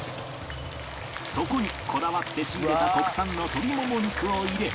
そこにこだわって仕入れた国産の鶏もも肉を入れ